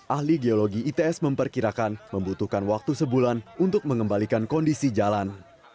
ahli geologi its memperkirakan membutuhkan waktu sebulan untuk mengembalikan kondisi jalan